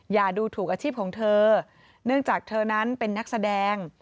อย่าดูถูกอาชีพของเธอเนื่องจากเธอนั้นเป็นนักแสดง